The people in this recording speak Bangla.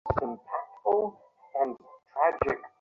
তুমি করতে পারবে, উইল।